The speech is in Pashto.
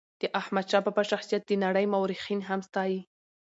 د احمد شاه بابا شخصیت د نړی مورخین هم ستایي.